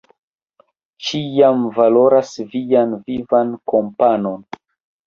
Ĉiam valoras vian vivan kompanon.